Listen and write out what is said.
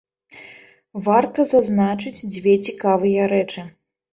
Варта зазначыць дзве цікавыя рэчы.